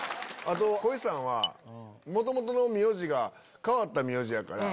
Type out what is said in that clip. あと恋さんは元々の名字が変わった名字やから。